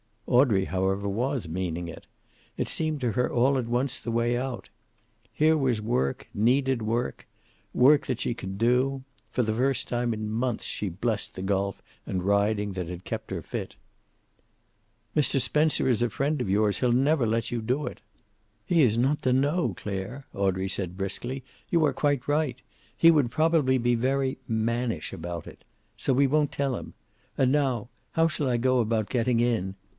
Audrey, however, was meaning it. It seemed to her, all at once, the way out. Here was work, needed work. Work that she could do. For the first time in months she blessed the golf and riding that had kept her fit. "Mr. Spencer is a friend of yours. He'll never let you do it." "He is not to know, Clare," Audrey said briskly. "You are quite right. He would probably be very mannish about it. So we won't tell him. And now, how shall I go about getting in?